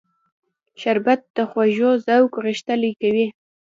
شربت د خوږو ذوق غښتلی کوي